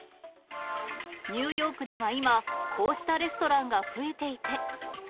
ニューヨークでは今、こうしたレストランが増えていて。